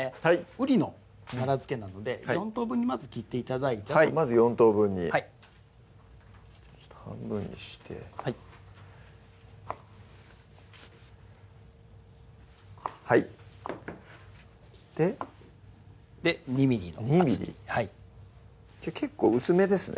うりの奈良漬けなので４等分にまず切って頂いてまず４等分にはい半分にしてはいはいでで２ｍｍの厚みに結構薄めですね